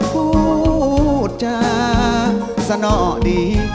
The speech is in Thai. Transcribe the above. พูดจาสนอดี